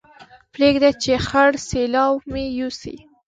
پرېږده چې خړ سېلاو مې يوسي